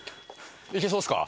いけそうですか？